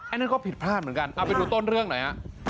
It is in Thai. อันนั้นก็ผิดพลาดเหมือนกันเอาไปดูต้นเรื่องหน่อยฮะ